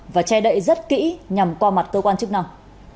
và che đậy rất kỹ nhằm qua mặt cơ quan chức năng